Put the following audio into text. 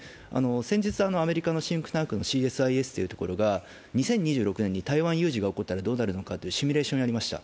先日、アメリカのシンクタンクのＣＳＩＳというところが２０２６年に台湾有事が起こったらどうなるかというシミュレーションをやりました。